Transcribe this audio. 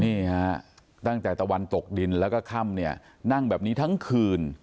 นี่ฮะตั้งแต่ตะวันตกดินแล้วก็ค่ำเนี่ยนั่งแบบนี้ทั้งคืน